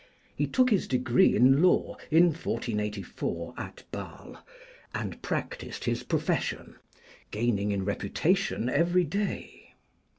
He took his degree in law in 1484 at Basle, and practiced his profession, gaining in reputation every day.